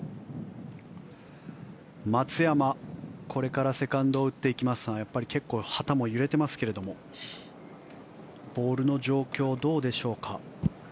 松山、これからセカンドを打っていきますが結構、旗も揺れていますけれどボールの状況、どうでしょうか。